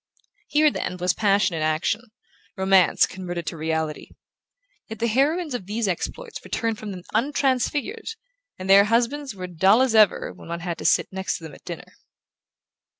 Here, then, was passion in action, romance converted to reality; yet the heroines of these exploits returned from them untransfigured, and their husbands were as dull as ever when one had to sit next to them at dinner.